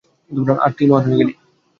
আর তুই মহান হয়ে গেলি।